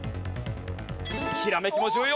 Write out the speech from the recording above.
ひらめきも重要。